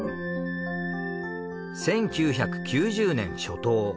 １９９０年初頭。